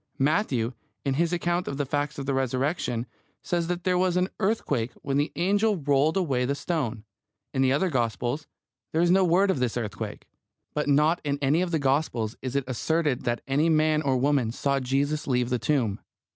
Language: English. Matthew, in his account of the fact of the Resurrection, says that there was an earthquake when the angel rolled away the stone. In the other Gospels there is no word of this earthquake. But not in any of the Gospels is it asserted that any man or woman saw Jesus leave the tomb.